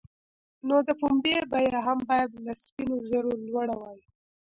نو د پنبې بیه هم باید له سپینو زرو لوړه وای.